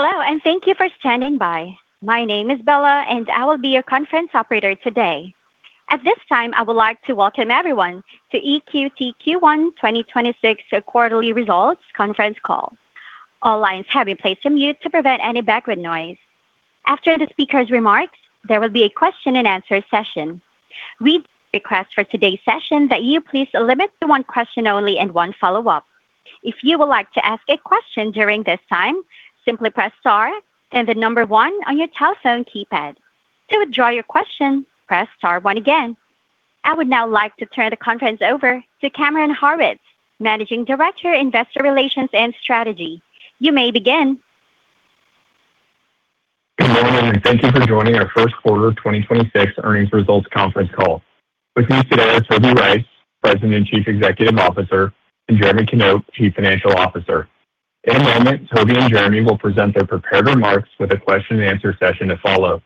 Hello, and thank you for standing by. My name is Bella, and I will be your conference operator today. At this time, I would like to welcome everyone to EQT Q1 2026 quarterly results conference call. All lines have been placed on mute to prevent any background noise. After the speaker's remarks, there will be a question and answer session. We request for today's session that you please limit to one question only and one follow-up. If you would like to ask a question during this time, simply press star and the number one on your telephone keypad. To withdraw your question, press star one again. I would now like to turn the conference over to Cameron Horwitz, Managing Director, Investor Relations and Strategy. You may begin. Good morning, and thank you for joining our first quarter 2026 earnings results conference call. With me today are Toby Rice, President and Chief Executive Officer, and Jeremy Knop, Chief Financial Officer. In a moment, Toby and Jeremy will present their prepared remarks with a question and answer session to follow.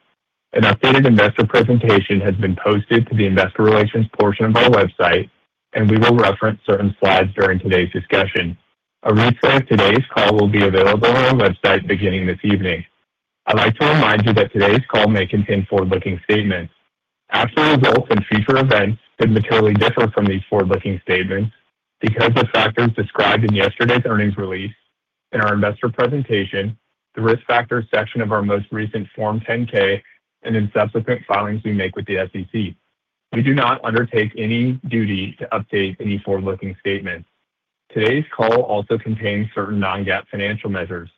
An updated investor presentation has been posted to the investor relations portion of our website, and we will reference certain slides during today's discussion. A replay of today's call will be available on our website beginning this evening. I'd like to remind you that today's call may contain forward-looking statements. Actual results and future events could materially differ from these forward-looking statements because of factors described in yesterday's earnings release in our investor presentation, the Risk Factors section of our most recent Form 10-K, and in subsequent filings we make with the SEC. We do not undertake any duty to update any forward-looking statements. Today's call also contains certain non-GAAP financial measures.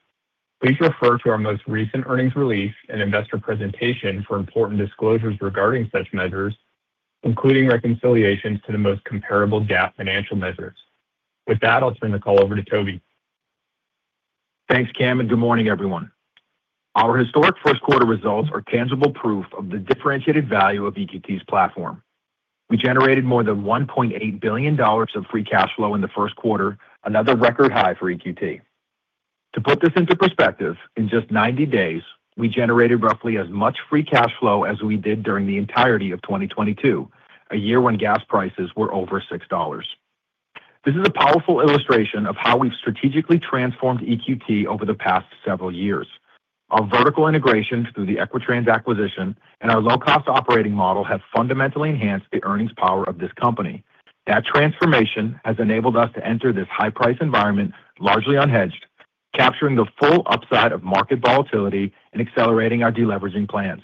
Please refer to our most recent earnings release and investor presentation for important disclosures regarding such measures, including reconciliations to the most comparable GAAP financial measures. With that, I'll turn the call over to Toby. Thanks, Cam, and good morning, everyone. Our historic first quarter results are tangible proof of the differentiated value of EQT's platform. We generated more than $1.8 billion of free cash flow in the first quarter, another record high for EQT. To put this into perspective, in just 90 days, we generated roughly as much free cash flow as we did during the entirety of 2022, a year when gas prices were over $6. This is a powerful illustration of how we've strategically transformed EQT over the past several years. Our vertical integration through the Equitrans acquisition and our low-cost operating model have fundamentally enhanced the earnings power of this company. That transformation has enabled us to enter this high-price environment largely unhedged, capturing the full upside of market volatility and accelerating our deleveraging plans.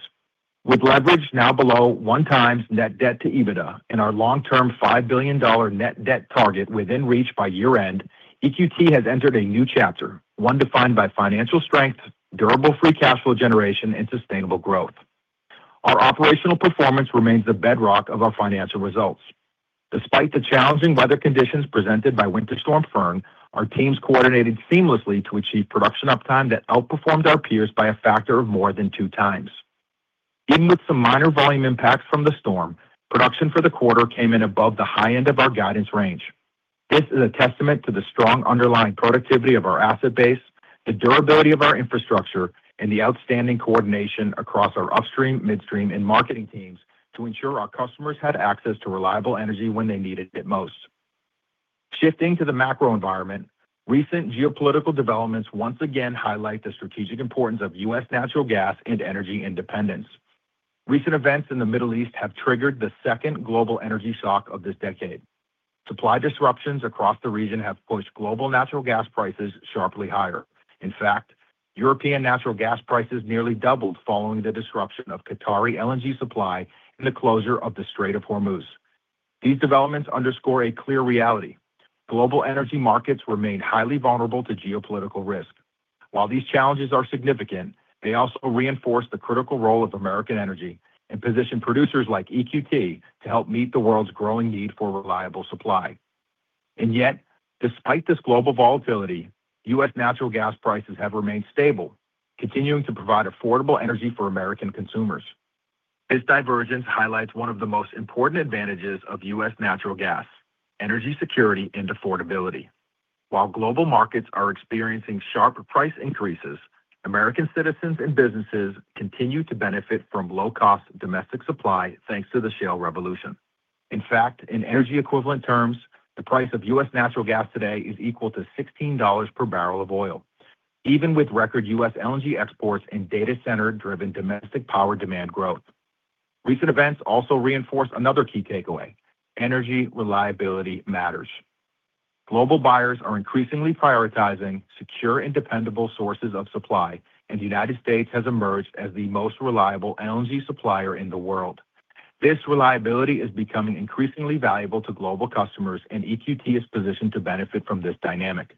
With leverage now below 1x net debt to EBITDA and our long-term $5 billion net debt target within reach by year-end, EQT has entered a new chapter, one defined by financial strength, durable free cash flow generation, and sustainable growth. Our operational performance remains the bedrock of our financial results. Despite the challenging weather conditions presented by Winter Storm Fern, our teams coordinated seamlessly to achieve production uptime that outperformed our peers by a factor of more than 2x. Even with some minor volume impacts from the storm, production for the quarter came in above the high end of our guidance range. This is a testament to the strong underlying productivity of our asset base, the durability of our infrastructure, and the outstanding coordination across our upstream, midstream, and marketing teams to ensure our customers had access to reliable energy when they needed it most. Shifting to the macro environment, recent geopolitical developments once again highlight the strategic importance of U.S. natural gas and energy independence. Recent events in the Middle East have triggered the second global energy shock of this decade. Supply disruptions across the region have pushed global natural gas prices sharply higher. In fact, European natural gas prices nearly doubled following the disruption of Qatari LNG supply and the closure of the Strait of Hormuz. These developments underscore a clear reality. Global energy markets remain highly vulnerable to geopolitical risk. While these challenges are significant, they also reinforce the critical role of American energy and position producers like EQT to help meet the world's growing need for reliable supply. Despite this global volatility, U.S. natural gas prices have remained stable, continuing to provide affordable energy for American consumers. This divergence highlights one of the most important advantages of U.S. natural gas, energy security, and affordability. While global markets are experiencing sharp price increases, American citizens and businesses continue to benefit from low-cost domestic supply, thanks to the shale revolution. In fact, in energy equivalent terms, the price of U.S. natural gas today is equal to $16 per barrel of oil, even with record U.S. LNG exports and data center-driven domestic power demand growth. Recent events also reinforce another key takeaway. Energy reliability matters. Global buyers are increasingly prioritizing secure and dependable sources of supply, and the United States has emerged as the most reliable LNG supplier in the world. This reliability is becoming increasingly valuable to global customers, and EQT is positioned to benefit from this dynamic.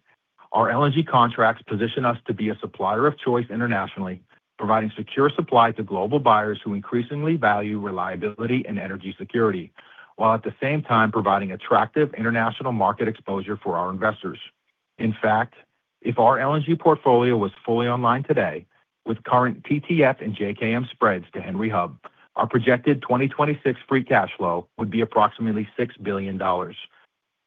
Our LNG contracts position us to be a supplier of choice internationally, providing secure supply to global buyers who increasingly value reliability and energy security, while at the same time providing attractive international market exposure for our investors. In fact, if our LNG portfolio was fully online today with current TTF and JKM spreads to Henry Hub, our projected 2026 free cash flow would be approximately $6 billion.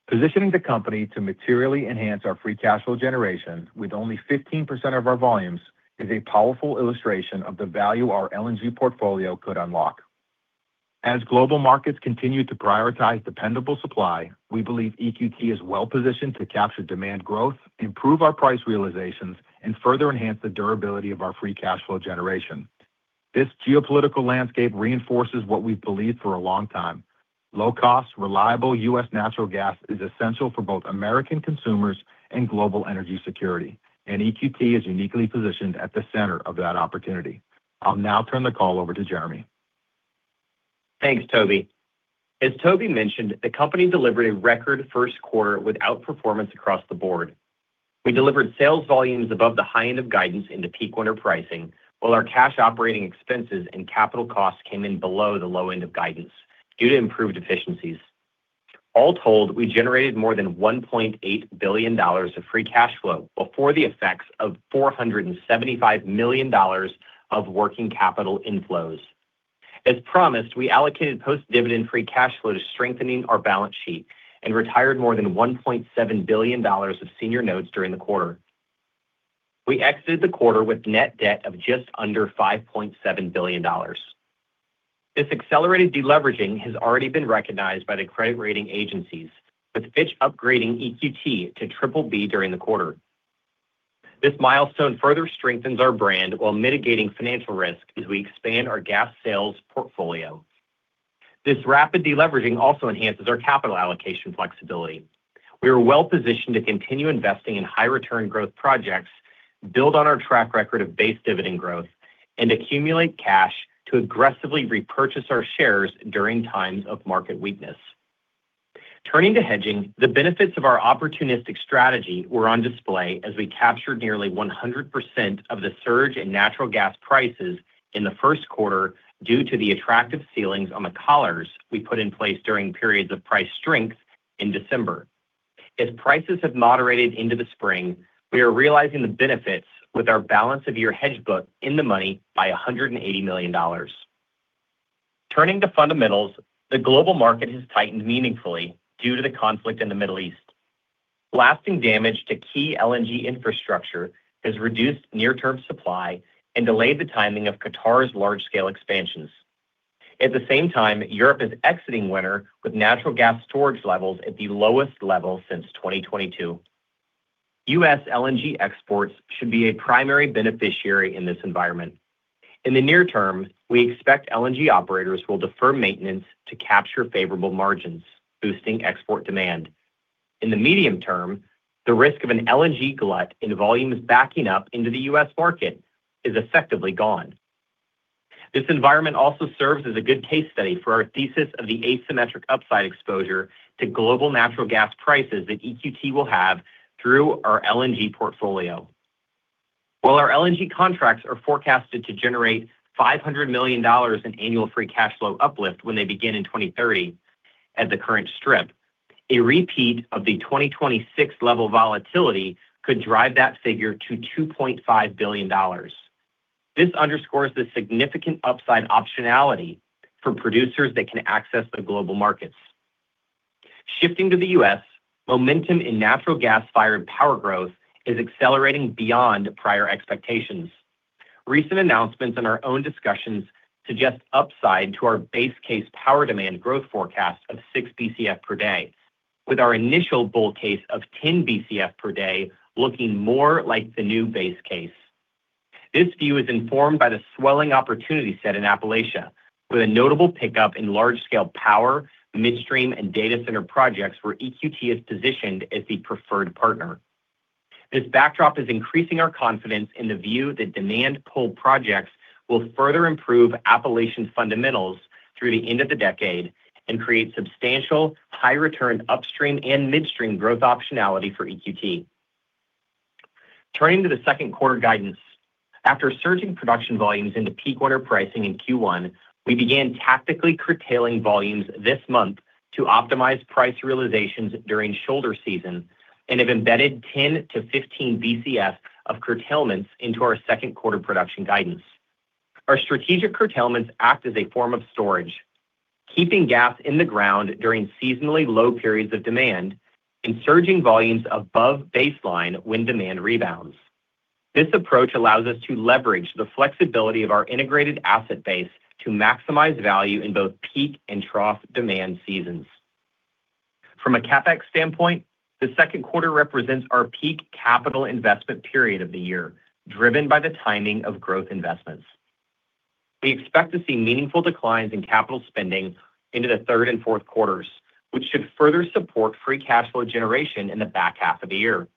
Positioning the company to materially enhance our free cash flow generation with only 15% of our volumes is a powerful illustration of the value our LNG portfolio could unlock. As global markets continue to prioritize dependable supply, we believe EQT is well-positioned to capture demand growth, improve our price realizations, and further enhance the durability of our free cash flow generation. This geopolitical landscape reinforces what we've believed for a long time. Low-cost, reliable U.S. natural gas is essential for both American consumers and global energy security, and EQT is uniquely positioned at the center of that opportunity. I'll now turn the call over to Jeremy. Thanks, Toby. As Toby mentioned, the company delivered a record first quarter with outperformance across the board. We delivered sales volumes above the high end of guidance into peak winter pricing, while our cash operating expenses and capital costs came in below the low end of guidance due to improved efficiencies. All told, we generated more than $1.8 billion of free cash flow before the effects of $475 million of working capital inflows. As promised, we allocated post-dividend free cash flow to strengthening our balance sheet and retired more than $1.7 billion of senior notes during the quarter. We exited the quarter with net debt of just under $5.7 billion. This accelerated de-leveraging has already been recognized by the credit rating agencies, with Fitch upgrading EQT to BBB during the quarter. This milestone further strengthens our brand while mitigating financial risk as we expand our gas sales portfolio. This rapid de-leveraging also enhances our capital allocation flexibility. We are well-positioned to continue investing in high return growth projects, build on our track record of base dividend growth, and accumulate cash to aggressively repurchase our shares during times of market weakness. Turning to hedging, the benefits of our opportunistic strategy were on display as we captured nearly 100% of the surge in natural gas prices in the first quarter due to the attractive ceilings on the collars we put in place during periods of price strength in December. As prices have moderated into the spring, we are realizing the benefits with our balance of year hedge book in the money by $180 million. Turning to fundamentals, the global market has tightened meaningfully due to the conflict in the Middle East. Lasting damage to key LNG infrastructure has reduced near-term supply and delayed the timing of Qatar's large-scale expansions. At the same time, Europe is exiting winter with natural gas storage levels at the lowest level since 2022. U.S. LNG exports should be a primary beneficiary in this environment. In the near term, we expect LNG operators will defer maintenance to capture favorable margins, boosting export demand. In the medium term, the risk of an LNG glut and volumes backing up into the U.S. market is effectively gone. This environment also serves as a good case study for our thesis of the asymmetric upside exposure to global natural gas prices that EQT will have through our LNG portfolio. While our LNG contracts are forecasted to generate $500 million in annual free cash flow uplift when they begin in 2030 at the current strip, a repeat of the 2026 level volatility could drive that figure to $2.5 billion. This underscores the significant upside optionality for producers that can access the global markets. Shifting to the U.S., momentum in natural gas-fired power growth is accelerating beyond prior expectations. Recent announcements and our own discussions suggest upside to our base case power demand growth forecast of 6 Bcf per day, with our initial bull case of 10 Bcf per day looking more like the new base case. This view is informed by the swelling opportunity set in Appalachia, with a notable pickup in large-scale power, midstream, and data center projects where EQT is positioned as the preferred partner. This backdrop is increasing our confidence in the view that demand-pull projects will further improve Appalachia's fundamentals through the end of the decade and create substantial high return upstream and midstream growth optionality for EQT. Turning to the second quarter guidance. After surging production volumes into peak winter pricing in Q1, we began tactically curtailing volumes this month to optimize price realizations during shoulder season and have embedded 10 Bcf to 15 Bcf of curtailments into our second quarter production guidance. Our strategic curtailments act as a form of storage, keeping gas in the ground during seasonally low periods of demand and surging volumes above baseline when demand rebounds. This approach allows us to leverage the flexibility of our integrated asset base to maximize value in both peak and trough demand seasons. From a CapEx standpoint, the second quarter represents our peak capital investment period of the year, driven by the timing of growth investments. We expect to see meaningful declines in capital spending into the third and fourth quarters, which should further support free cash flow generation in the back half of the year.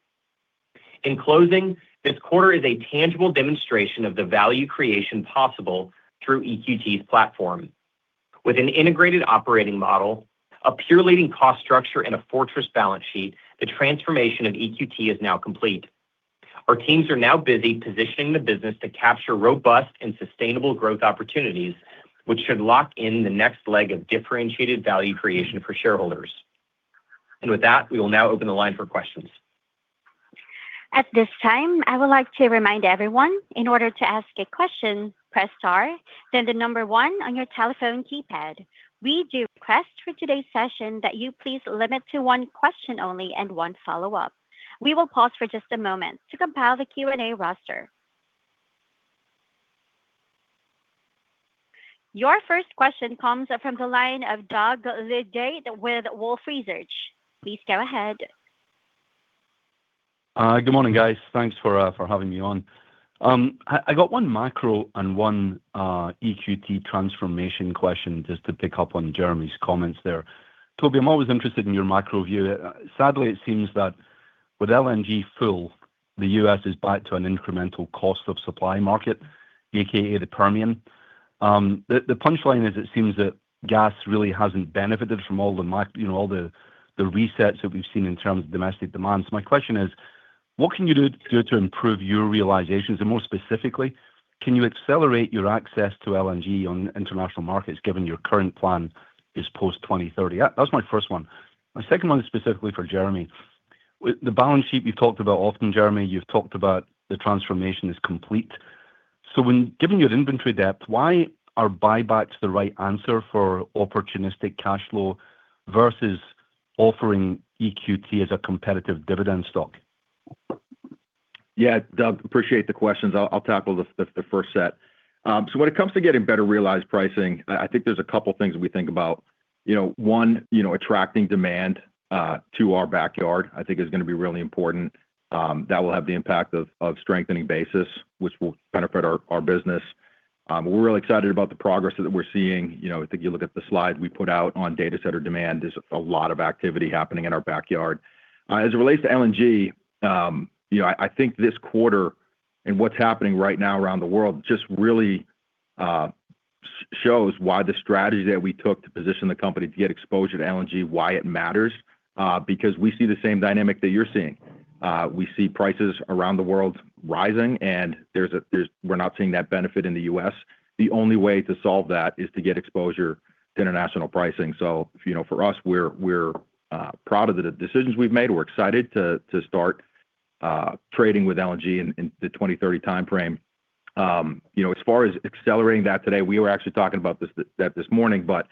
In closing, this quarter is a tangible demonstration of the value creation possible through EQT's platform. With an integrated operating model, a peer-leading cost structure, and a fortress balance sheet, the transformation of EQT is now complete. Our teams are now busy positioning the business to capture robust and sustainable growth opportunities, which should lock in the next leg of differentiated value creation for shareholders. With that, we will now open the line for questions. At this time, I would like to remind everyone, in order to ask a question, press star, then the number one on your telephone keypad. We do request for today's session that you please limit to one question only and one follow-up. We will pause for just a moment to compile the Q&A roster. Your first question comes from the line of Doug Leggate with Wolfe Research. Please go ahead. Good morning, guys. Thanks for having me on. I got one macro and one EQT transformation question just to pick up on Jeremy's comments there. Toby, I'm always interested in your macro view. Sadly, it seems that with LNG full, the U.S. is back to an incremental cost of supply market, AKA, the Permian. The punchline is it seems that gas really hasn't benefited from all the resets that we've seen in terms of domestic demand. My question is, what can you do to improve your realizations? More specifically, can you accelerate your access to LNG on international markets given your current plan is post-2030? That was my first one. My second one is specifically for Jeremy. With the balance sheet you've talked about often, Jeremy, you've talked about the transformation is complete. Given your inventory depth, why are buybacks the right answer for opportunistic cash flow versus offering EQT as a competitive dividend stock? Yeah. Doug, appreciate the questions. I'll tackle the first set. When it comes to getting better realized pricing, I think there's a couple things we think about. One, attracting demand to our backyard, I think is going to be really important. That will have the impact of strengthening basis, which will benefit our business. We're really excited about the progress that we're seeing. I think you look at the slide we put out on data center demand. There's a lot of activity happening in our backyard. As it relates to LNG, I think this quarter and what's happening right now around the world just really shows why the strategy that we took to position the company to get exposure to LNG, why it matters, because we see the same dynamic that you're seeing. We see prices around the world rising, and we're not seeing that benefit in the U.S. The only way to solve that is to get exposure to international pricing. For us, we're proud of the decisions we've made. We're excited to start trading with LNG in the 2030 timeframe. As far as accelerating that today, we were actually talking about that this morning, but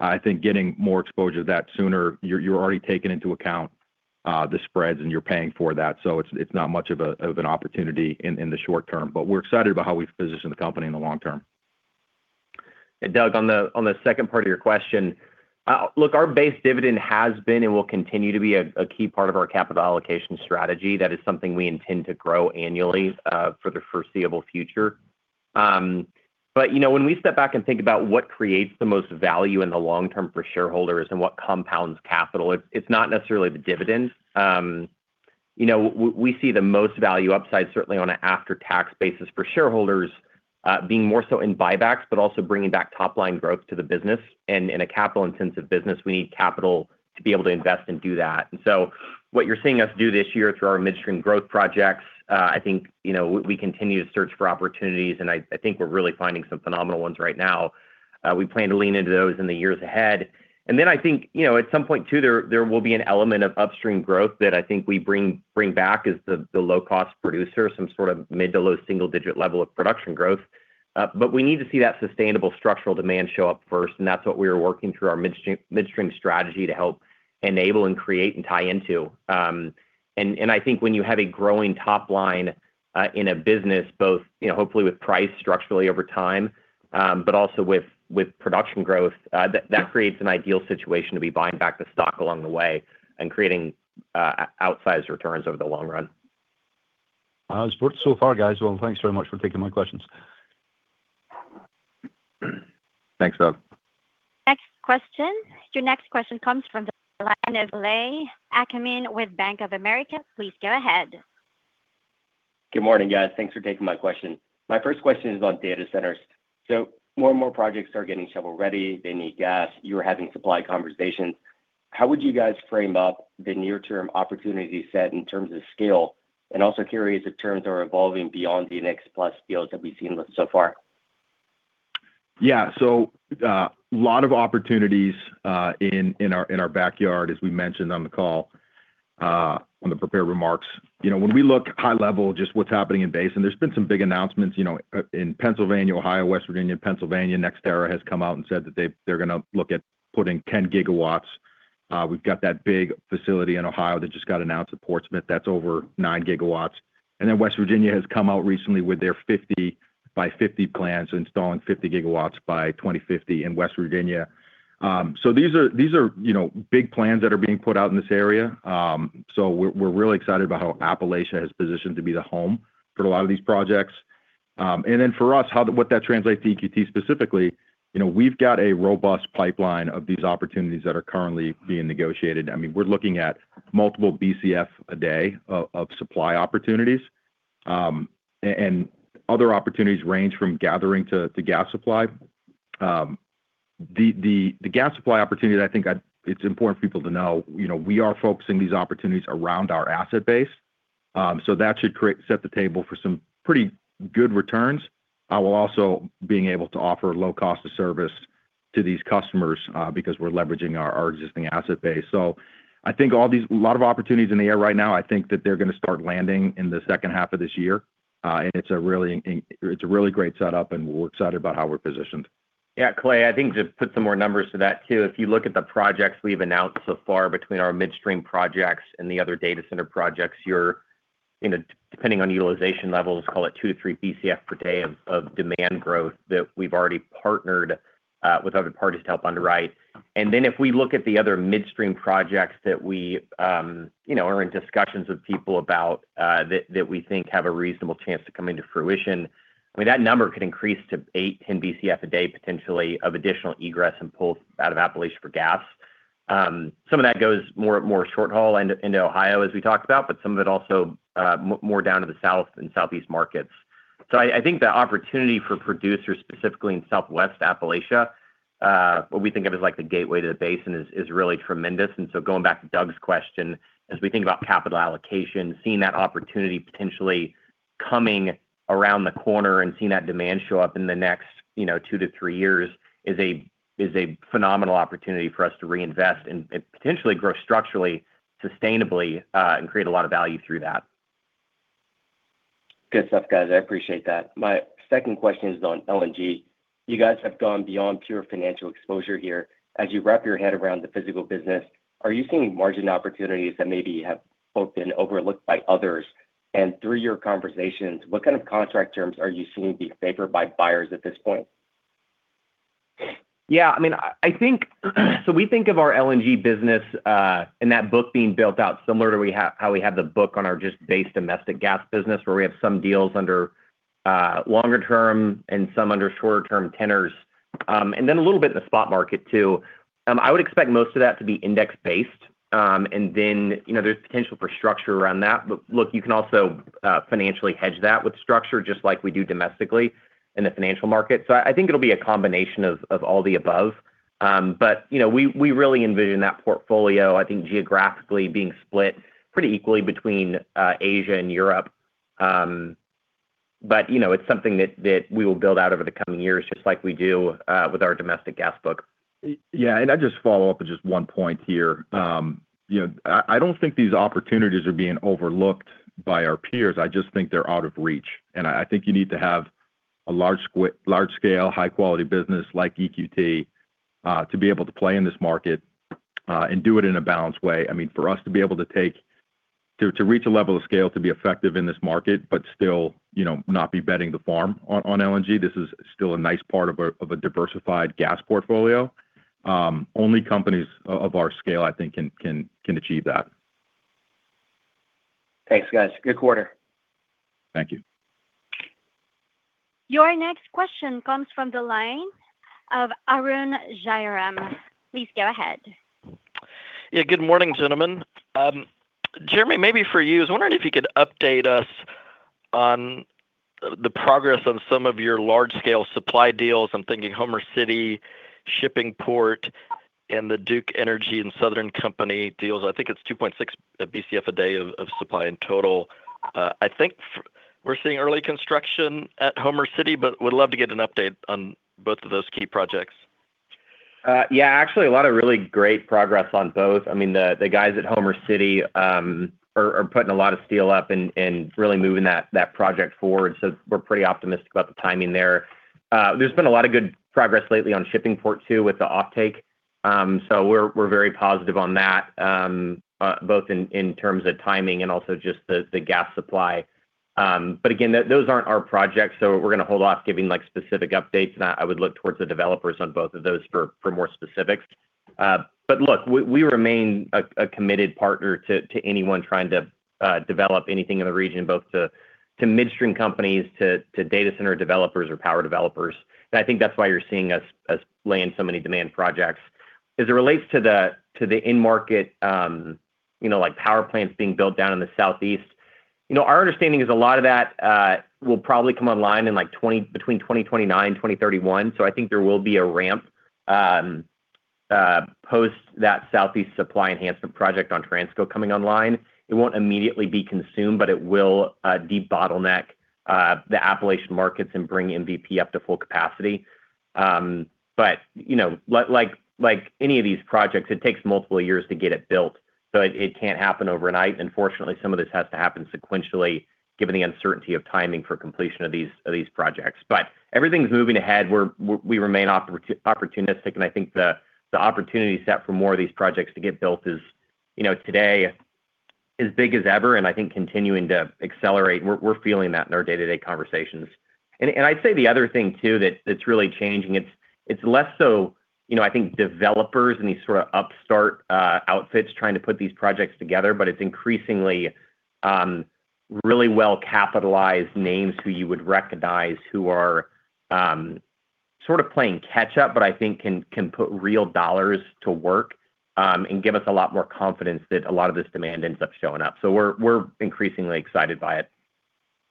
I think getting more exposure to that sooner, you're already taking into account the spreads and you're paying for that. It's not much of an opportunity in the short term, but we're excited about how we've positioned the company in the long term. Doug, on the second part of your question. Look, our base dividend has been and will continue to be a key part of our capital allocation strategy. That is something we intend to grow annually for the foreseeable future. When we step back and think about what creates the most value in the long term for shareholders and what compounds capital, it's not necessarily the dividends. We see the most value upside, certainly on an after-tax basis for shareholders, being more so in buybacks, but also bringing back top-line growth to the business. In a capital-intensive business, we need capital to be able to invest and do that. What you're seeing us do this year through our midstream growth projects, I think, we continue to search for opportunities, and I think we're really finding some phenomenal ones right now. We plan to lean into those in the years ahead. Then I think, at some point too, there will be an element of upstream growth that I think we bring back as the low-cost producer, some sort of mid- to low single-digit level of production growth. We need to see that sustainable structural demand show up first, and that's what we are working through our midstream strategy to help enable and create and tie into. I think when you have a growing top line in a business, both hopefully with price structurally over time, but also with production growth, that creates an ideal situation to be buying back the stock along the way and creating outsized returns over the long run. That's it so far, guys. Well, thanks very much for taking my questions. Thanks, Doug. Next question. Your next question comes from the line of Kalei Akamine with Bank of America. Please go ahead. Good morning, guys. Thanks for taking my question. My first question is on data centers. More and more projects are getting shovel-ready. They need gas. You are having supply conversations. How would you guys frame up the near-term opportunity set in terms of scale? Also curious if terms are evolving beyond the next plus deals that we've seen so far. Yeah. Lot of opportunities in our backyard, as we mentioned on the call, on the prepared remarks. When we look high level, just what's happening in basin, there's been some big announcements. In Pennsylvania, Ohio, West Virginia. In Pennsylvania, NextEra has come out and said that they're going to look at putting 10 GW. We've got that big facility in Ohio that just got announced at Portsmouth. That's over 9 GW. West Virginia has come out recently with their 50 by 50 plans, installing 50 GW by 2050 in West Virginia. These are big plans that are being put out in this area. We're really excited about how Appalachia has positioned to be the home for a lot of these projects. For us, what that translates to EQT specifically, we've got a robust pipeline of these opportunities that are currently being negotiated. I mean, we're looking at multiple Bcf a day of supply opportunities. Other opportunities range from gathering to gas supply. The gas supply opportunity that I think it's important for people to know, we are focusing these opportunities around our asset base. That should set the table for some pretty good returns, while also being able to offer low cost of service to these customers because we're leveraging our existing asset base. I think a lot of opportunities in the air right now. I think that they're going to start landing in the second half of this year. It's a really great setup, and we're excited about how we're positioned. Yeah, Kalei, I think to put some more numbers to that too, if you look at the projects we've announced so far between our midstream projects and the other data center projects, you're, depending on utilization levels, call it 2 Bcf-3 Bcf per day of demand growth that we've already partnered with other parties to help underwrite. If we look at the other midstream projects that we are in discussions with people about that we think have a reasonable chance to come into fruition, that number could increase to 8 Bcf-10 BCF a day, potentially, of additional egress and pull out of Appalachia for gas. Some of that goes more short haul and into Ohio, as we talked about, but some of it also more down to the south and Southeast markets. I think the opportunity for producers specifically in southwest Appalachia, what we think of as like the gateway to the basin, is really tremendous. Going back to Doug's question, as we think about capital allocation, seeing that opportunity potentially coming around the corner and seeing that demand show up in the next two to three years is a phenomenal opportunity for us to reinvest and potentially grow structurally, sustainably, and create a lot of value through that. Good stuff, guys. I appreciate that. My second question is on LNG. You guys have gone beyond pure financial exposure here. As you wrap your head around the physical business, are you seeing margin opportunities that maybe have both been overlooked by others? Through your conversations, what kind of contract terms are you seeing be favored by buyers at this point? Yeah, we think of our LNG business and that book being built out similar to how we have the book on our just base domestic gas business, where we have some deals under longer term and some under shorter term tenors, and then a little bit in the spot market too. I would expect most of that to be index based, and then there's potential for structure around that. Look, you can also financially hedge that with structure just like we do domestically in the financial market. I think it'll be a combination of all the above. We really envision that portfolio, I think geographically being split pretty equally between Asia and Europe. It's something that we will build out over the coming years, just like we do with our domestic gas book. Yeah, I just follow up with just one point here. I don't think these opportunities are being overlooked by our peers. I just think they're out of reach. I think you need to have a large scale, high quality business like EQT to be able to play in this market and do it in a balanced way. For us to be able to reach a level of scale to be effective in this market, but still not be betting the farm on LNG, this is still a nice part of a diversified gas portfolio. Only companies of our scale, I think can achieve that. Thanks, guys. Good quarter. Thank you. Your next question comes from the line of Arun Jayaram. Please go ahead. Yeah. Good morning, gentlemen. Jeremy, maybe for you, I was wondering if you could update us on the progress on some of your large scale supply deals. I'm thinking Homer City, Shippingport, and the Duke Energy and Southern Company deals. I think it's 2.6 Bcf a day of supply in total. I think we're seeing early construction at Homer City, but would love to get an update on both of those key projects. Yeah. Actually, a lot of really great progress on both. The guys at Homer City are putting a lot of steel up and really moving that project forward. We're pretty optimistic about the timing there. There's been a lot of good progress lately on Shippingport too, with the offtake. We're very positive on that both in terms of timing and also just the gas supply. Again, those aren't our projects, so we're going to hold off giving specific updates. I would look towards the developers on both of those for more specifics. Look, we remain a committed partner to anyone trying to develop anything in the region, both to midstream companies, to data center developers or power developers. I think that's why you're seeing us lay in so many demand projects. As it relates to the in-market, like power plants being built down in the Southeast, our understanding is a lot of that will probably come online in between 2029 and 2031. I think there will be a ramp post that Southeast Supply Enhancement Project on Transco coming online. It won't immediately be consumed, but it will de-bottleneck the Appalachian markets and bring MVP up to full capacity. Like any of these projects, it takes multiple years to get it built, so it can't happen overnight. Unfortunately, some of this has to happen sequentially given the uncertainty of timing for completion of these projects. Everything's moving ahead. We remain opportunistic, and I think the opportunity set for more of these projects to get built is today as big as ever and I think continuing to accelerate. We're feeling that in our day-to-day conversations. I'd say the other thing too, that's really changing. It's less so I think developers and these sort of upstart outfits trying to put these projects together, but it's increasingly really well capitalized names who you would recognize who are sort of playing catch up, but I think can put real dollars to work, and give us a lot more confidence that a lot of this demand ends up showing up. We're increasingly excited by it.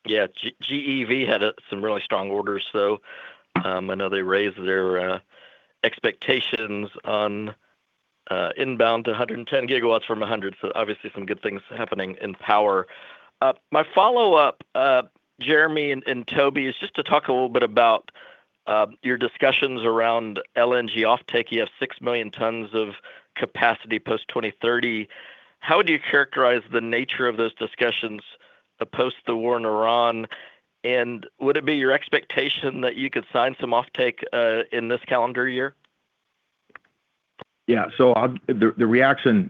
Yeah. GEV had some really strong orders, so I know they raised their expectations on inbound to 110 GW from 100 GW. Obviously some good things happening in power. My follow-up, Jeremy and Toby, is just to talk a little bit about your discussions around LNG offtake. You have 6 million tons of capacity post 2030. How would you characterize the nature of those discussions post the war in Iran. And would it be your expectation that you could sign some offtake in this calendar year? Yeah. The reaction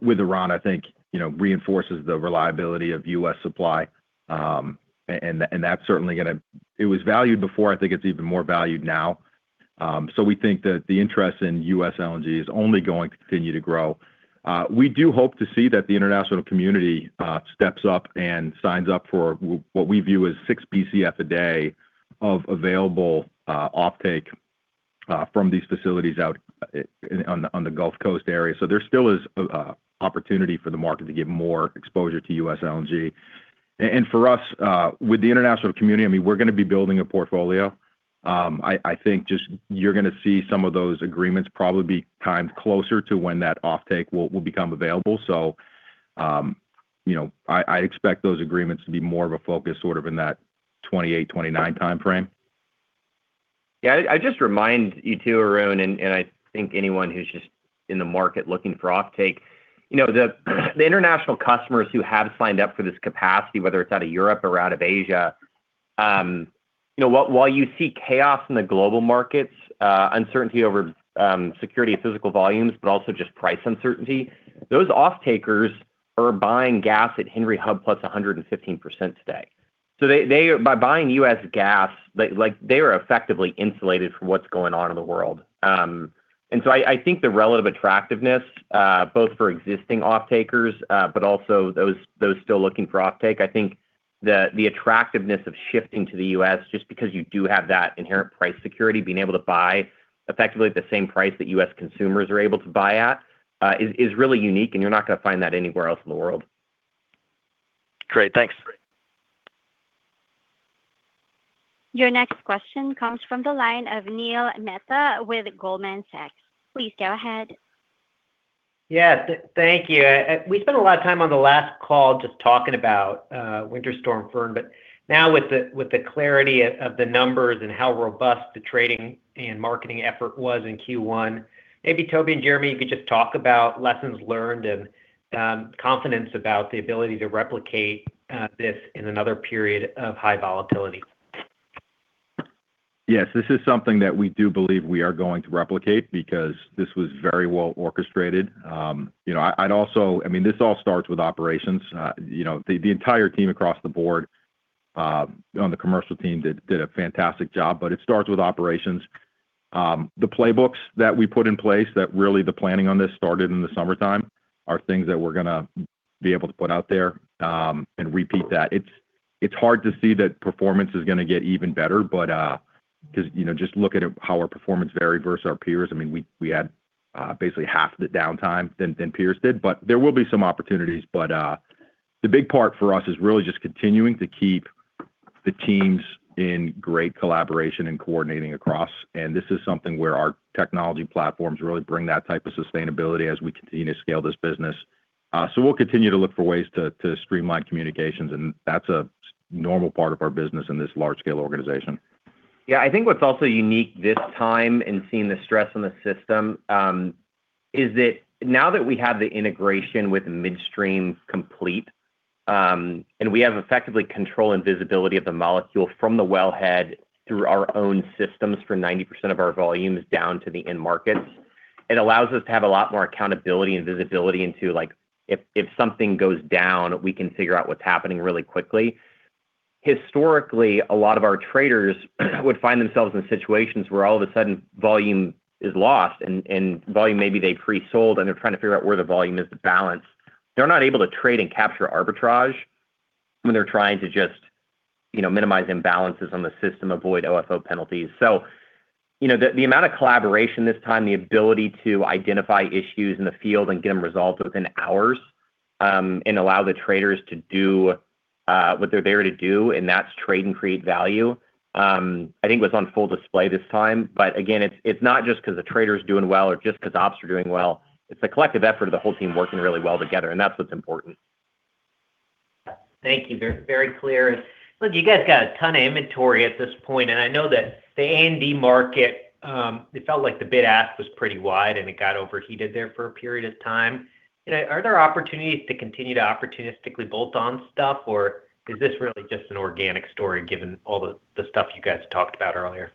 with Iran, I think, reinforces the reliability of U.S. supply. It was valued before. I think it's even more valued now. We think that the interest in U.S. LNG is only going to continue to grow. We do hope to see that the international community steps up and signs up for what we view as 6 Bcf a day of available offtake from these facilities out on the Gulf Coast area. There still is opportunity for the market to get more exposure to U.S. LNG. For us, with the international community, we're going to be building a portfolio. I think you're going to see some of those agreements probably be timed closer to when that offtake will become available. I expect those agreements to be more of a focus sort of in that 2028-2029 timeframe. Yeah. I'd just remind you too, Arun, and I think anyone who's just in the market looking for offtake, the international customers who have signed up for this capacity, whether it's out of Europe or out of Asia, while you see chaos in the global markets, uncertainty over security of physical volumes, but also just price uncertainty, those off-takers are buying gas at Henry Hub plus 115% today. By buying U.S. gas, they are effectively insulated from what's going on in the world. I think the relative attractiveness, both for existing off-takers, but also those still looking for offtake, I think the attractiveness of shifting to the U.S. just because you do have that inherent price security, being able to buy effectively at the same price that U.S. consumers are able to buy at, is really unique, and you're not going to find that anywhere else in the world. Great. Thanks. Your next question comes from the line of Neil Mehta with Goldman Sachs. Please go ahead. Yes. Thank you. We spent a lot of time on the last call just talking about Winter Storm Fern. Now with the clarity of the numbers, how robust the trading and marketing effort was in Q1, maybe Toby and Jeremy, you could just talk about lessons learned and confidence about the ability to replicate this in another period of high volatility. Yes. This is something that we do believe we are going to replicate because this was very well orchestrated. This all starts with operations. The entire team across the board on the commercial team did a fantastic job, but it starts with operations. The playbooks that we put in place that really the planning on this started in the summertime are things that we're going to be able to put out there, and repeat that. It's hard to see that performance is going to get even better because just look at how our performance varied versus our peers. We had basically half the downtime than peers did. There will be some opportunities, but the big part for us is really just continuing to keep the teams in great collaboration and coordinating across. This is something where our technology platforms really bring that type of sustainability as we continue to scale this business. We'll continue to look for ways to streamline communications, and that's a normal part of our business in this large scale organization. Yeah. I think what's also unique this time in seeing the stress on the system is that now that we have the integration with midstream complete, and we have effectively control and visibility of the molecule from the wellhead through our own systems for 90% of our volumes down to the end markets, it allows us to have a lot more accountability and visibility into if something goes down. We can figure out what's happening really quickly. Historically, a lot of our traders would find themselves in situations where all of a sudden volume is lost, and volume maybe they pre-sold, and they're trying to figure out where the volume is balanced. They're not able to trade and capture arbitrage when they're trying to just minimize imbalances on the system, avoid OFO penalties. The amount of collaboration this time, the ability to identify issues in the field and get them resolved within hours, and allow the traders to do what they're there to do, and that's trade and create value, I think was on full display this time. Again, it's not just because the traders are doing well or just because ops are doing well. It's the collective effort of the whole team working really well together, and that's what's important. Thank you. Very clear. Look, you guys got a ton of inventory at this point, and I know that the A&D market, it felt like the bid ask was pretty wide, and it got overheated there for a period of time. Are there opportunities to continue to opportunistically bolt on stuff, or is this really just an organic story given all the stuff you guys talked about earlier?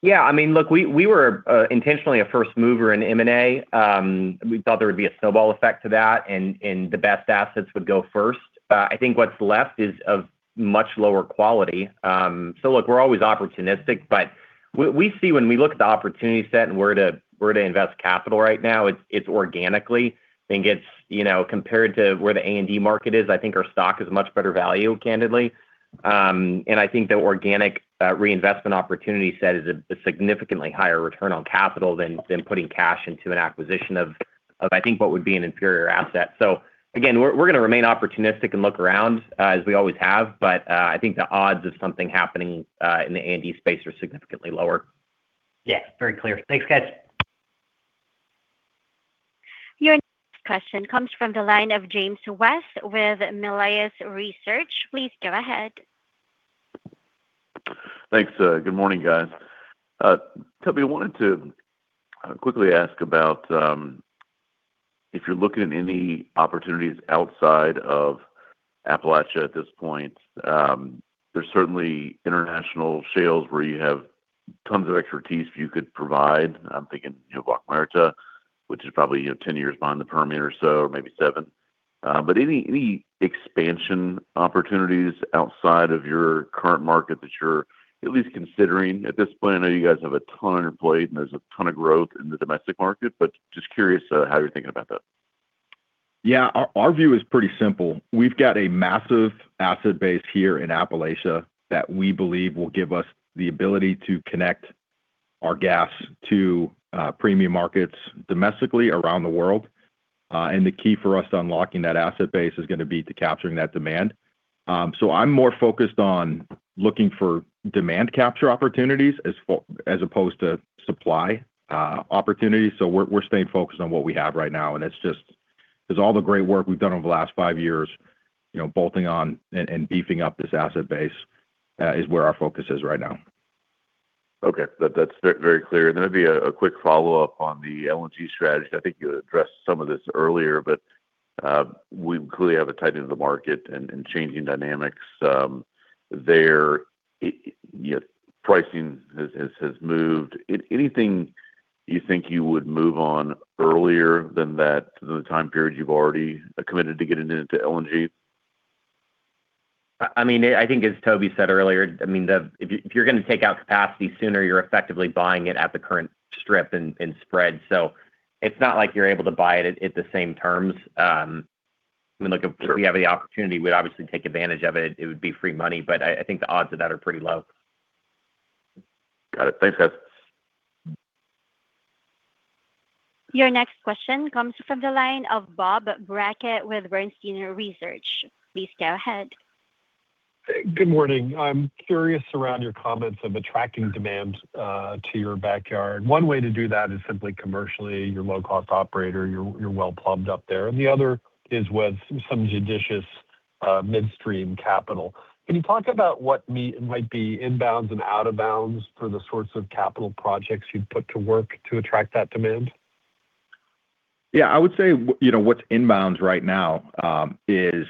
Yeah. Look, we were intentionally a first mover in M&A. We thought there would be a snowball effect to that and the best assets would go first. I think what's left is of much lower quality. Look, we're always opportunistic, but we see when we look at the opportunity set and where to invest capital right now, it's organically. Compared to where the A&D market is, I think our stock is much better value, candidly. I think the organic reinvestment opportunity set is a significantly higher return on capital than putting cash into an acquisition of I think what would be an inferior asset. We're going to remain opportunistic and look around as we always have. I think the odds of something happening in the A&D space are significantly lower. Yeah. Very clear. Thanks, guys. Your next question comes from the line of James West with Melius Research. Please go ahead. Thanks. Good morning, guys. Toby, I wanted to quickly ask about if you're looking at any opportunities outside of Appalachia at this point. There's certainly international shales where you have tons of expertise you could provide. I'm thinking Vaca Muerta, which is probably 10 years behind the permit or so, or maybe seven. Any expansion opportunities outside of your current market that you're at least considering at this point? I know you guys have a ton employed and there's a ton of growth in the domestic market, but just curious how you're thinking about that. Yeah. Our view is pretty simple. We've got a massive asset base here in Appalachia that we believe will give us the ability to connect our gas to premium markets domestically around the world. The key for us to unlocking that asset base is going to be to capturing that demand. I'm more focused on looking for demand capture opportunities as opposed to supply opportunities. We're staying focused on what we have right now, and it's just because all the great work we've done over the last five years bolting on and beefing up this asset base is where our focus is right now. Okay. That's very clear. Maybe a quick follow-up on the LNG strategy. I think you addressed some of this earlier, but we clearly have a tightening of the market and changing dynamics there. Pricing has moved. Anything you think you would move on earlier than the time period you've already committed to getting into LNG? I think as Toby said earlier, if you're going to take out capacity sooner, you're effectively buying it at the current strip and spread. It's not like you're able to buy it at the same terms. Sure. If we have the opportunity, we'd obviously take advantage of it. It would be free money. I think the odds of that are pretty low. Got it. Thanks, guys. Your next question comes from the line of Bob Brackett with Bernstein Research. Please go ahead. Good morning. I'm curious around your comments of attracting demand to your backyard. One way to do that is simply commercially, you're a low-cost operator, you're well-plumbed up there. The other is with some judicious midstream capital. Can you talk about what might be in bounds and out of bounds for the sorts of capital projects you'd put to work to attract that demand? Yeah. I would say what's in bounds right now is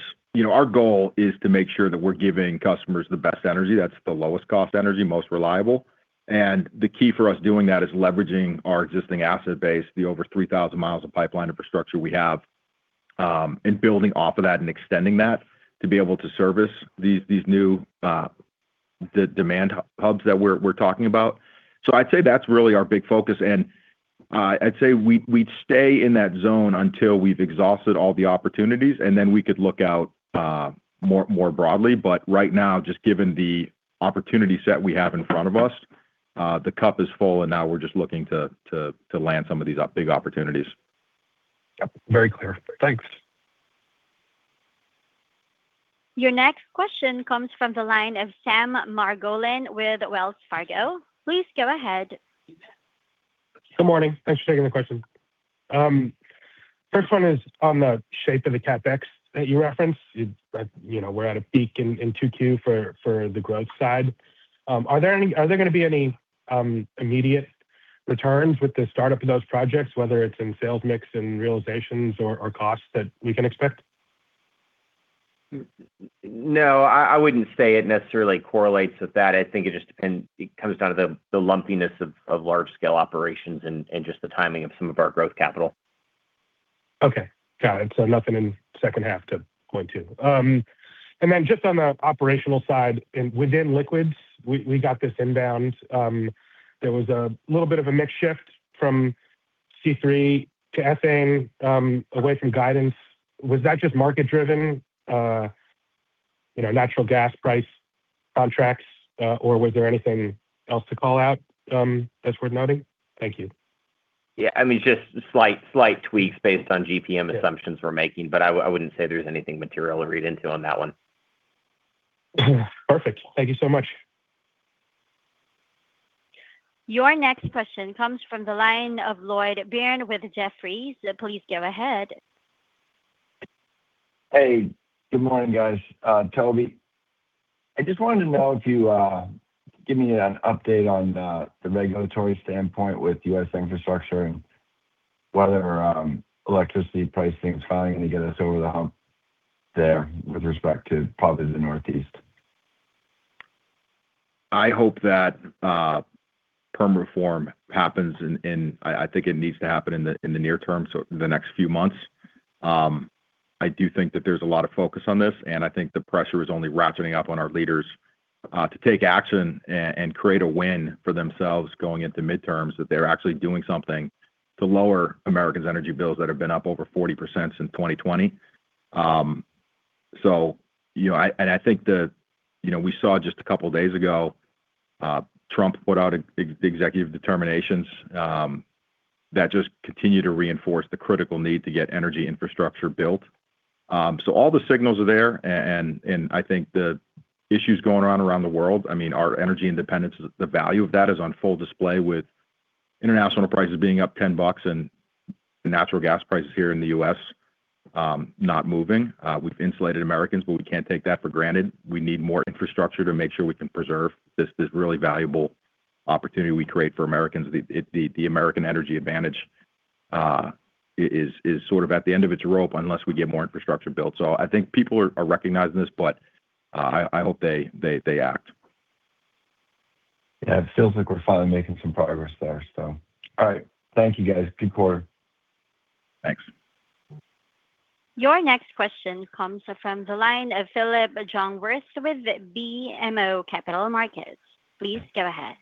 our goal is to make sure that we're giving customers the best energy, that's the lowest cost energy, most reliable. The key for us doing that is leveraging our existing asset base, the over 3,000 mi of pipeline infrastructure we have, and building off of that and extending that to be able to service these new demand hubs that we're talking about. I'd say that's really our big focus. I'd say we'd stay in that zone until we've exhausted all the opportunities, and then we could look out more broadly. Right now, just given the opportunity set we have in front of us, the cup is full, and now we're just looking to land some of these big opportunities. Very clear. Thanks. Your next question comes from the line of Sam Margolin with Wells Fargo. Please go ahead. Good morning. Thanks for taking the question. First one is on the shape of the CapEx that you referenced. We're at a peak in 2Q for the growth side. Are there going to be any immediate returns with the startup of those projects, whether it's in sales mix and realizations or costs that we can expect? No, I wouldn't say it necessarily correlates with that. I think it comes down to the lumpiness of large scale operations and just the timing of some of our growth capital. Okay. Got it. Nothing in second half to point to. Just on the operational side, within liquids, we got this in bounds. There was a little bit of a mix shift from C3 to ethane away from guidance. Was that just market driven, natural gas price contracts, or was there anything else to call out that's worth noting? Thank you. Yeah, just slight tweaks based on GPM assumptions we're making, but I wouldn't say there's anything material to read into on that one. Perfect. Thank you so much. Your next question comes from the line of Lloyd Byrne with Jefferies. Please go ahead. Hey, good morning, guys. Toby, I just wanted to know if you give me an update on the regulatory standpoint with U.S. infrastructure and whether electricity pricing is finally going to get us over the hump there with respect to probably the Northeast? I hope that permit reform happens, and I think it needs to happen in the near term, so the next few months. I do think that there's a lot of focus on this, and I think the pressure is only ratcheting up on our leaders to take action and create a win for themselves going into midterms, that they're actually doing something to lower Americans' energy bills that have been up over 40% since 2020. I think we saw just a couple of days ago, Trump put out executive determinations that just continue to reinforce the critical need to get energy infrastructure built. All the signals are there, and I think the issues going on around the world, our energy independence, the value of that is on full display with international prices being up $10 and the natural gas prices here in the U.S., not moving. We've insulated Americans, but we can't take that for granted. We need more infrastructure to make sure we can preserve this really valuable opportunity we create for Americans. The American energy advantage is sort of at the end of its rope unless we get more infrastructure built. I think people are recognizing this, but I hope they act. Yeah, it feels like we're finally making some progress there. All right. Thank you, guys. Take care. Thanks. Your next question comes from the line of Phillip Jungwirth with BMO Capital Markets. Please go ahead.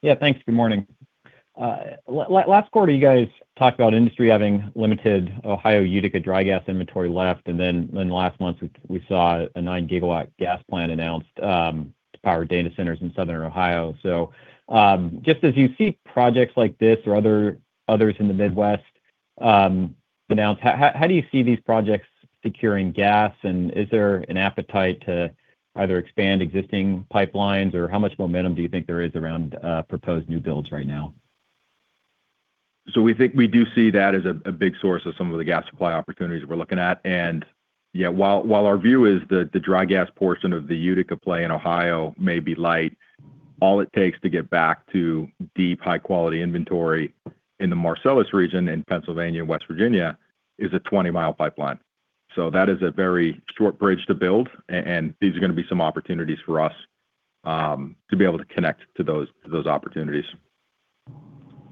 Yeah, thanks. Good morning. Last quarter you guys talked about industry having limited Ohio Utica dry gas inventory left, and then last month, we saw a 9 GW gas plant announced to power data centers in Southern Ohio. Just as you see projects like this or others in the Midwest announced, how do you see these projects securing gas? Is there an appetite to either expand existing pipelines, or how much momentum do you think there is around proposed new builds right now? We think we do see that as a big source of some of the gas supply opportunities we're looking at. Yeah, while our view is that the dry gas portion of the Utica play in Ohio may be light, all it takes to get back to deep, high-quality inventory in the Marcellus region in Pennsylvania and West Virginia is a 20 mi pipeline. That is a very short bridge to build, and these are going to be some opportunities for us to be able to connect to those opportunities.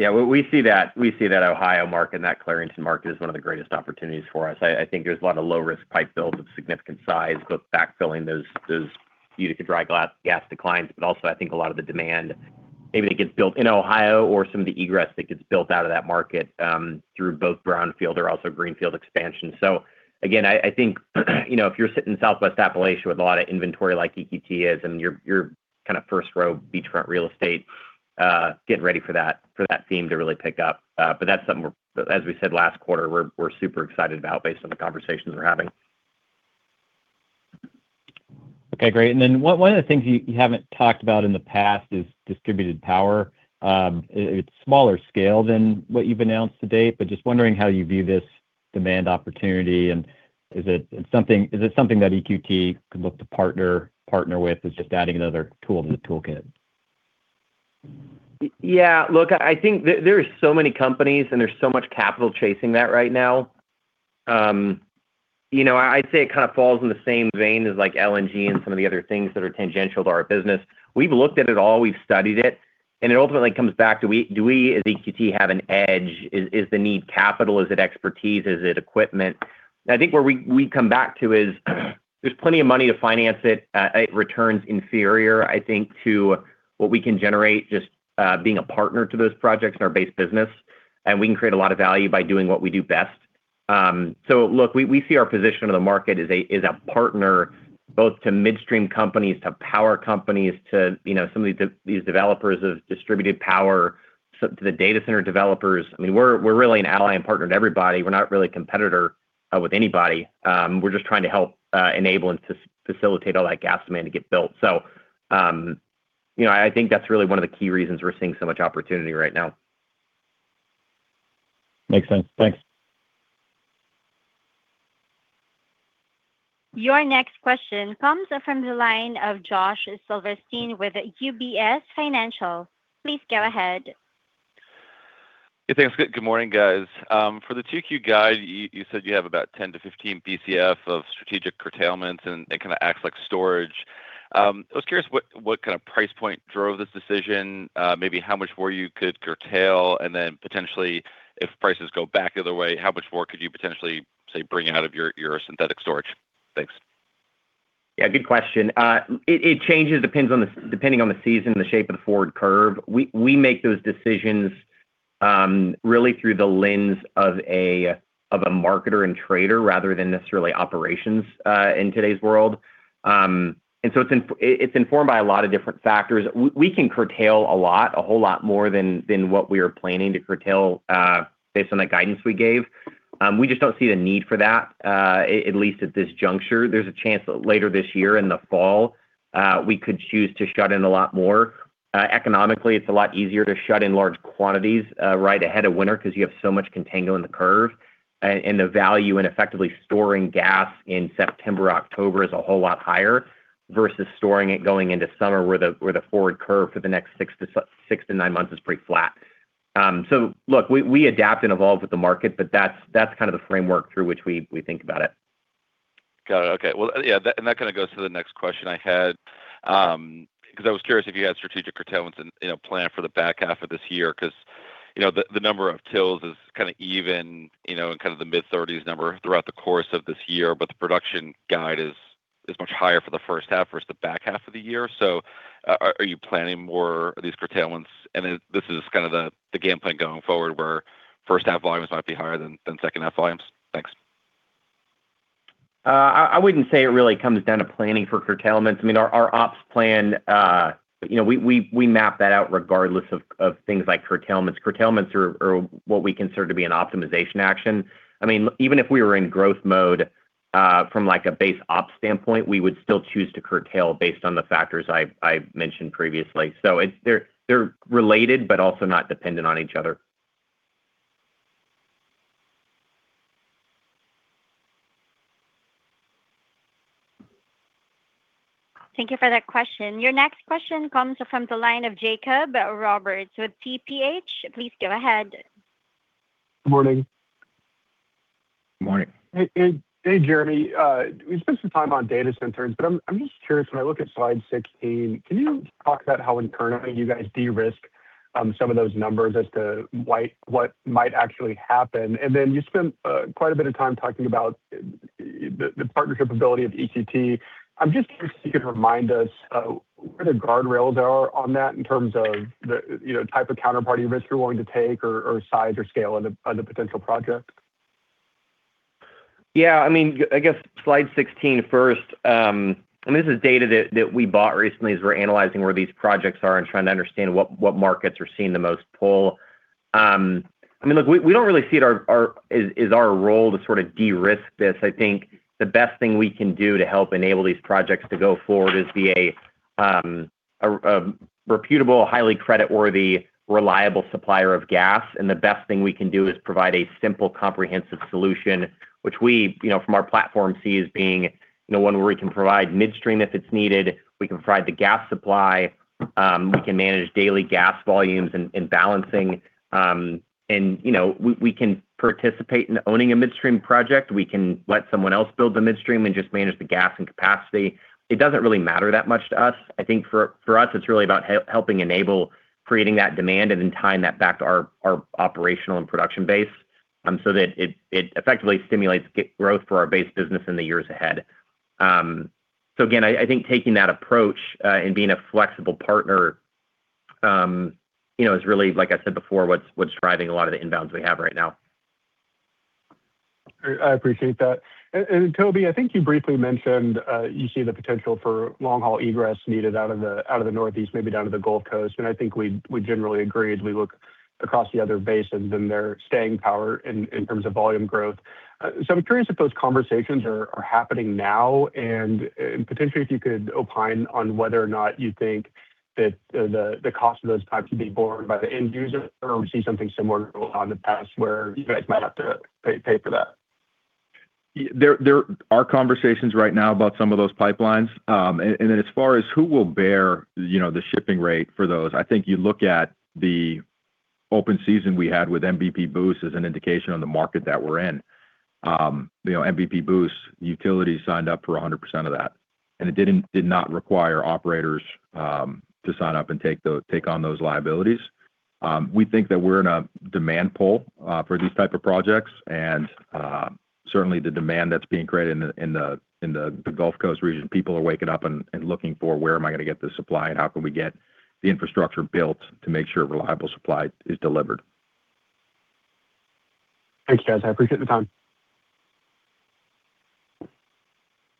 Yeah, we see that Ohio market and that Clarington market as one of the greatest opportunities for us. I think there's a lot of low-risk pipe builds of significant size, both backfilling those Utica dry gas declines, but also I think a lot of the demand, maybe that gets built in Ohio or some of the egress that gets built out of that market through both brownfield or also greenfield expansion. Again, I think if you're sitting in Southwest Appalachia with a lot of inventory like EQT is, and you're first-row beachfront real estate, get ready for that theme to really pick up. That's something where, as we said last quarter, we're super excited about based on the conversations we're having. Okay, great. One of the things you haven't talked about in the past is distributed power. It's smaller scale than what you've announced to-date, but just wondering how you view this demand opportunity and is it something that EQT could look to partner with as just adding another tool to the toolkit? Yeah, look, I think there are so many companies and there's so much capital chasing that right now. I'd say it kind of falls in the same vein as LNG and some of the other things that are tangential to our business. We've looked at it all, we've studied it, and it ultimately comes back to do we as EQT have an edge? Is the need capital? Is it expertise? Is it equipment? I think where we come back to is there's plenty of money to finance it. It returns inferior, I think, to what we can generate just being a partner to those projects in our base business, and we can create a lot of value by doing what we do best. Look, we see our position in the market as a partner both to midstream companies, to power companies, to some of these developers of distributed power, to the data center developers. We're really an ally and partner to everybody. We're not really a competitor with anybody. We're just trying to help enable and facilitate all that gas demand to get built. I think that's really one of the key reasons we're seeing so much opportunity right now. Makes sense. Thanks. Your next question comes from the line of Josh Silverstein with UBS. Please go ahead. Yeah, thanks. Good morning, guys. For the 2Q guide, you said you have about 10 Bcf-15 Bcf of strategic curtailments and it kind of acts like storage. I was curious what kind of price point drove this decision, maybe how much more you could curtail, and then potentially if prices go back the other way, how much more could you potentially, say, bring out of your synthetic storage? Thanks. Yeah, good question. It changes depending on the season and the shape of the forward curve. We make those decisions really through the lens of a marketer and trader rather than necessarily operations in today's world. It's informed by a lot of different factors. We can curtail a lot, a whole lot more than what we are planning to curtail based on the guidance we gave. We just don't see the need for that, at least at this juncture. There's a chance that later this year in the fall, we could choose to shut in a lot more. Economically, it's a lot easier to shut in large quantities right ahead of winter because you have so much contango in the curve, and the value in effectively storing gas in September, October is a whole lot higher versus storing it going into summer where the forward curve for the next six to nine months is pretty flat. Look, we adapt and evolve with the market, but that's kind of the framework through which we think about it. Got it. Okay. Well, yeah, and that kind of goes to the next question I had, because I was curious if you had strategic curtailments in plan for the back half of this year, because the number of rigs is kind of even, in kind of the mid-30s number throughout the course of this year, but the production guide is much higher for the first half versus the back half of the year. Are you planning more of these curtailments? This is kind of the game plan going forward where first half volumes might be higher than second half volumes. Thanks. I wouldn't say it really comes down to planning for curtailments. Our ops plan, we map that out regardless of things like curtailments. Curtailments are what we consider to be an optimization action. Even if we were in growth mode. From a base ops standpoint, we would still choose to curtail based on the factors I mentioned previously. They're related, but also not dependent on each other. Thank you for that question. Your next question comes from the line of Jacob Roberts with TPH. Please go ahead. Good morning. Good morning. Hey, Jeremy. We spent some time on data centers, but I'm just curious. When I look at slide 16, can you talk about how internally you guys de-risk some of those numbers as to what might actually happen? Then you spent quite a bit of time talking about the partnership ability of EQT. I'm just curious if you could remind us where the guardrails are on that in terms of the type of counterparty risk you're willing to take or size or scale of the potential project. Yeah. I guess slide 16 first, and this is data that we bought recently as we're analyzing where these projects are and trying to understand what markets are seeing the most pull. Look, we don't really see it as our role to de-risk this. I think the best thing we can do to help enable these projects to go forward is be a reputable, highly creditworthy, reliable supplier of gas. The best thing we can do is provide a simple, comprehensive solution, which we, from our platform, see as being one where we can provide midstream if it's needed, we can provide the gas supply, we can manage daily gas volumes and balancing. We can participate in owning a midstream project. We can let someone else build the midstream and just manage the gas and capacity. It doesn't really matter that much to us. I think for us, it's really about helping enable creating that demand and then tying that back to our operational and production base so that it effectively stimulates growth for our base business in the years ahead. Again, I think taking that approach and being a flexible partner is really, like I said before, what's driving a lot of the inbounds we have right now. I appreciate that. Toby, I think you briefly mentioned you see the potential for long-haul egress needed out of the Northeast, maybe down to the Gulf Coast. I think we generally agree as we look across the other basins and their staying power in terms of volume growth. I'm curious if those conversations are happening now, and potentially if you could opine on whether or not you think that the cost of those pipes would be borne by the end user or we see something similar to what's gone in the past where you guys might have to pay for that. There are conversations right now about some of those pipelines. Then as far as who will bear the shipping rate for those, I think you look at the open season we had with MVP Boost as an indication on the market that we're in. MVP Boost, utilities signed up for 100% of that, and it did not require operators to sign up and take on those liabilities. We think that we're in a demand pull for these type of projects, and certainly the demand that's being created in the Gulf Coast region, people are waking up and looking for where am I going to get the supply and how can we get the infrastructure built to make sure reliable supply is delivered. Thanks, guys. I appreciate the time.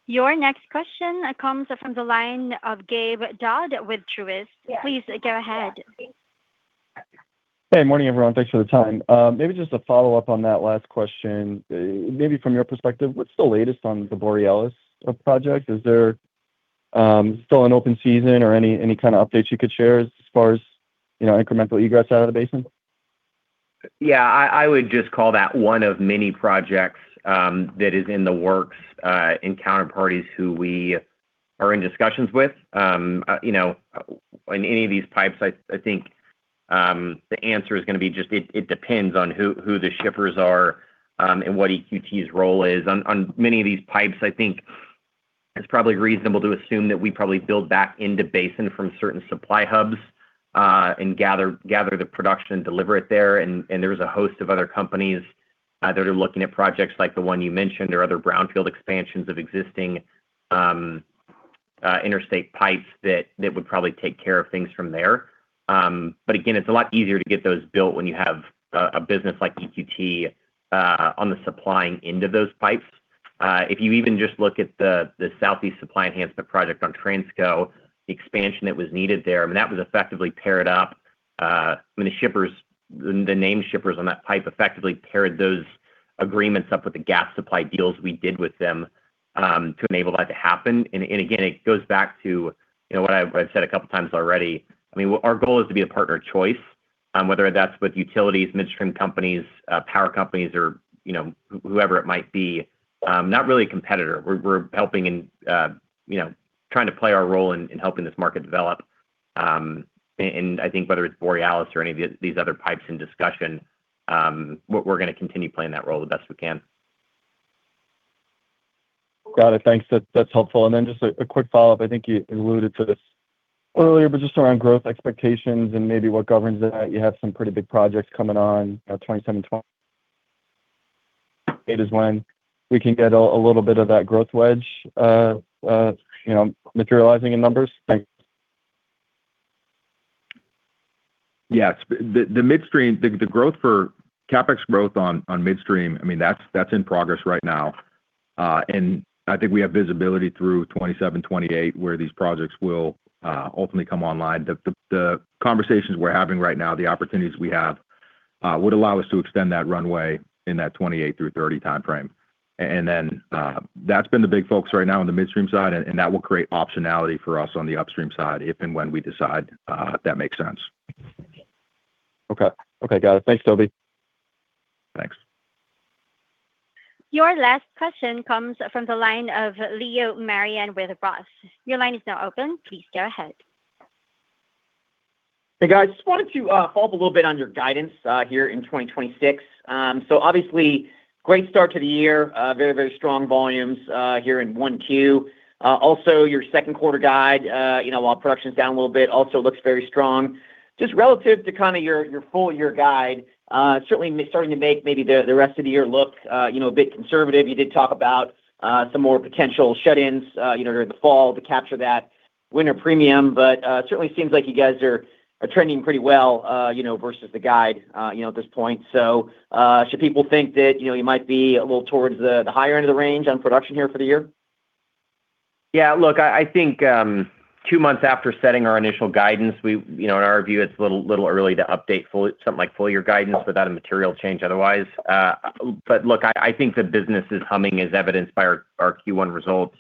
Your next question comes from the line of Gabe Daoud with Truist. Please go ahead. Hey, morning everyone. Thanks for the time. Maybe just a follow-up on that last question. Maybe from your perspective, what's the latest on the Borealis project? Is there still an open season or any kind of updates you could share as far as incremental egress out of the basin? Yeah. I would just call that one of many projects that is in the works with counterparties who we are in discussions with. On any of these pipes, I think the answer is going to be just it depends on who the shippers are and what EQT's role is. On many of these pipes, I think it's probably reasonable to assume that we probably build back into basin from certain supply hubs, and gather the production and deliver it there. There's a host of other companies that are looking at projects like the one you mentioned. There are other brownfield expansions of existing interstate pipes that would probably take care of things from there. Again, it's a lot easier to get those built when you have a business like EQT on the supplying end of those pipes. If you even just look at the Southeast Supply Enhancement Project on Transco, the expansion that was needed there, that was effectively paired up when the named shippers on that pipe effectively paired those agreements up with the gas supply deals we did with them to enable that to happen. Again, it goes back to what I've said a couple of times already. Our goal is to be a partner of choice, whether that's with utilities, midstream companies, power companies or whoever it might be. Not really a competitor. We're helping and trying to play our role in helping this market develop. I think whether it's Borealis or any of these other pipes in discussion, we're going to continue playing that role the best we can. Got it. Thanks. That's helpful. Just a quick follow-up. I think you alluded to this earlier, but just around growth expectations and maybe what governs that. You have some pretty big projects coming on 2027, is it when we can get a little bit of that growth wedge materializing in numbers? Thanks. Yes. The growth for CapEx growth on midstream, that's in progress right now. I think we have visibility through 2027, 2028, where these projects will ultimately come online. The conversations we're having right now, the opportunities we have would allow us to extend that runway in that 2028 through 2030 time frame. Then that's been the big focus right now on the midstream side, and that will create optionality for us on the upstream side if and when we decide that makes sense. Okay. Got it. Thanks, Toby. Thanks. Your last question comes from the line of Leo Mariani with Roth. Your line is now open. Please go ahead. Hey, guys. Just wanted to follow up a little bit on your guidance here in 2026. Obviously, great start to the year. Very, very strong volumes here in 1Q. Also, your second quarter guide, while production's down a little bit, also looks very strong. Just relative to your full year guide, certainly starting to make maybe the rest of the year look a bit conservative. You did talk about some more potential shut-ins during the fall to capture that winter premium. Certainly seems like you guys are trending pretty well versus the guide at this point. Should people think that you might be a little towards the higher end of the range on production here for the year? Yeah, look, I think two months after setting our initial guidance, in our view, it's a little early to update something like full year guidance without a material change otherwise. Look, I think the business is humming as evidenced by our Q1 results.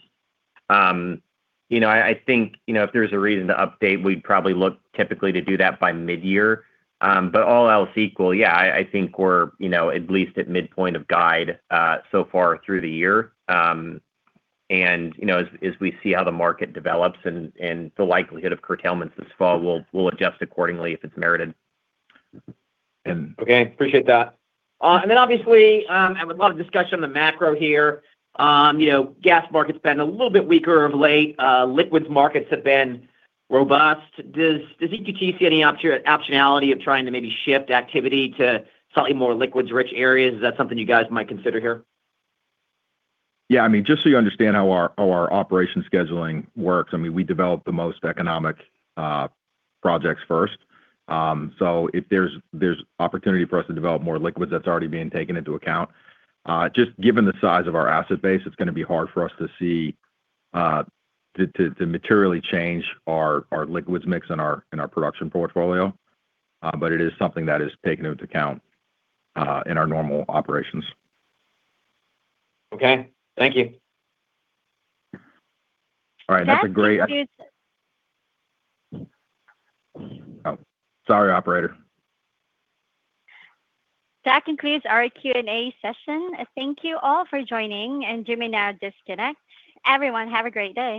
I think if there's a reason to update, we'd probably look typically to do that by mid-year. All else equal, yeah, I think we're at least at midpoint of guide so far through the year. As we see how the market develops and the likelihood of curtailments this fall, we'll adjust accordingly if it's merited. Okay. Appreciate that. Obviously, and with a lot of discussion on the macro here, gas market's been a little bit weaker of late. Liquids markets have been robust. Does EQT see any optionality of trying to maybe shift activity to slightly more liquids-rich areas? Is that something you guys might consider here? Yeah. Just so you understand how our operation scheduling works, we develop the most economic projects first. If there's opportunity for us to develop more liquids, that's already being taken into account. Just given the size of our asset base, it's going to be hard for us to seek to materially change our liquids mix in our production portfolio. It is something that is taken into account in our normal operations. Okay. Thank you. All right. That's a great. That concludes- Oh, sorry, operator. That concludes our Q&A session. Thank you all for joining, and you may now disconnect. Everyone, have a great day.